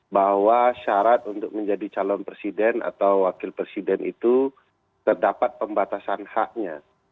bahwa syarat untuk menjadi calon presiden atau wakil presiden itu terdapat pembatasan haknya